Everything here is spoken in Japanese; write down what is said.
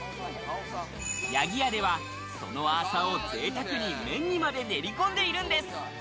屋宜家では、そのアーサをぜいたくに麺にまで練りこんでいるんです。